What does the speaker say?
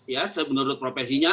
ya menurut profesinya